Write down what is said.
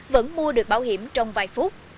vẫn mua được bảo hiểm trong vài phút